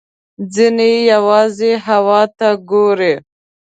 ځینې یوازې هوا ته ګوري.